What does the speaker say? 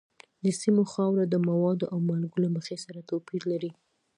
د سیمو خاوره د موادو او مالګو له مخې سره توپیر لري.